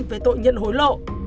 về tội nhận hối lộ